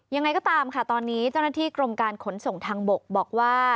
ยังไงก็ตามค่ะตอนนี้เจ้าหน้าที่กรมการขนส่งทางบกบอกว่า